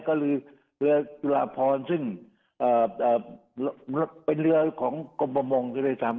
ก็คือเรือตุลาพรซึ่งเอ่อเอ่อเป็นเรือของกรมประมงที่ได้ทำ